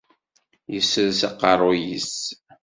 Yesres aqerruy-is.